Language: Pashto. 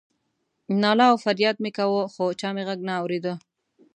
ناله او فریاد مې کاوه خو چا مې غږ نه اورېده.